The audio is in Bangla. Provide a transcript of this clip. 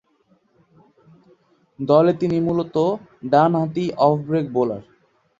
দলে তিনি মূলতঃ ডানহাতি অফ ব্রেক বোলার।